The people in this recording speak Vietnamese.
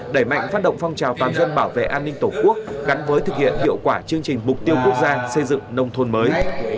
đẩy mạnh phát động phong trào toàn dân bảo vệ an ninh tổ quốc gắn với thực hiện hiệu quả chương trình mục tiêu quốc gia xây dựng nông thôn mới